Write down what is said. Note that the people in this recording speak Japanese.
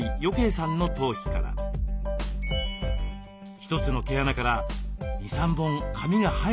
一つの毛穴から２３本髪が生えてきています。